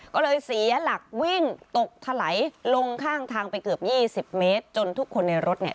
ก็เลยเสียหลักวิ่งตกถลายลงข้างทางไปเกือบยี่สิบเมตรจนทุกคนในรถเนี่ย